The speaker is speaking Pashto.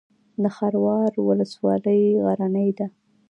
د خروار ولسوالۍ غرنۍ ده